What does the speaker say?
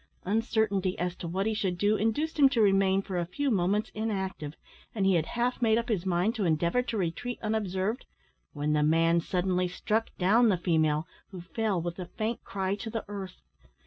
Uncertainty as to what he should do induced him to remain for a few moments inactive, and he had half made up his mind to endeavour to retreat unobserved, when the man suddenly struck down the female, who fell with a faint cry to the earth.